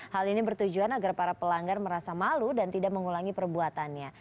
hal ini bertujuan agar para pelanggar merasa malu dan tidak mengulangi perbuatannya